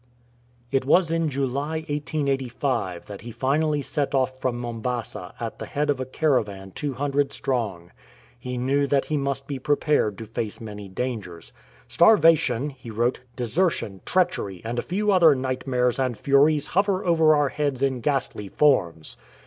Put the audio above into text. It was in July, 1885, that he finally set off from Mom basa at the head of a caravan 200 strong. He knew that he must be prepared to face many dangers. " Starvation," he wrote, "desertion, treachery, and a few other night mares and furies hover over our heads in ghastly forms.